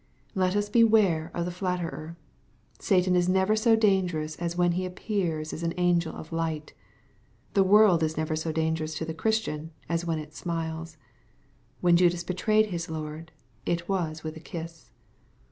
/Let us beware of the flatterer. Satanjfi^never so dangerous as when he appears g^a.^^ angel of light. The world is never so dansrerous to the Christian as when it smilesiWhen Judas betrayed his Lord, it was with a kiss.